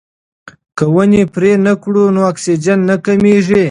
که ونې پرې نه کړو نو اکسیجن نه کمیږي.